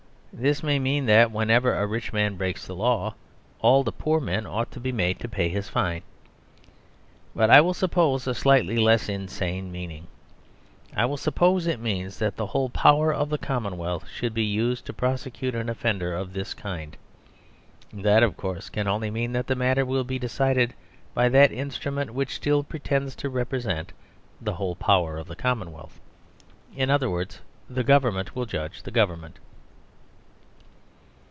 This may mean that whenever a rich man breaks the law, all the poor men ought to be made to pay his fine. But I will suppose a slightly less insane meaning. I will suppose it means that the whole power of the commonwealth should be used to prosecute an offender of this kind. That, of course, can only mean that the matter will be decided by that instrument which still pretends to represent the whole power of the commonwealth. In other words, the Government will judge the Government.